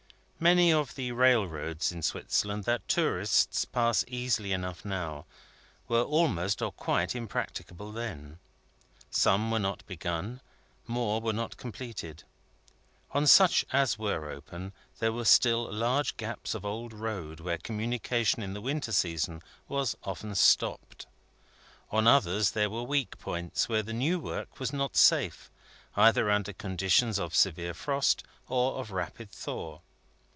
Many of the railroads in Switzerland that tourists pass easily enough now, were almost or quite impracticable then. Some were not begun; more were not completed. On such as were open, there were still large gaps of old road where communication in the winter season was often stopped; on others, there were weak points where the new work was not safe, either under conditions of severe frost, or of rapid thaw.